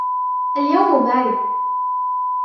اليوم بارد.